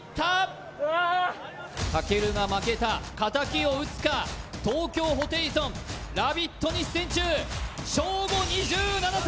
たけるが負けた仇を討つか東京ホテイソン「ラヴィット！」に出演中ショーゴ２７歳！